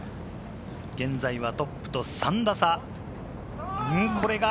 現在はトップと３打差。